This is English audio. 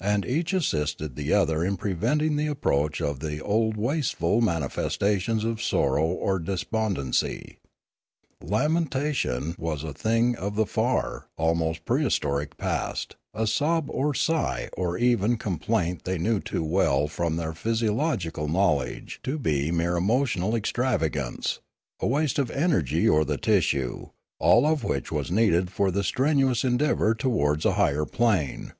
And each assisted the other in preventing the approach of the old wasteful manifestations of sorrow or despon dency. Lamentation was a thing of the far, almost prehistoric, past; a sob or sigh or even complaint they knew too well from their physiological knowledge to be mere emotional extravagance, a waste of the energy or the tissue, all of which was needed for the strenuous endeavour towards a higher plane.